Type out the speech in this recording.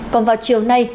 còn vào chiều nay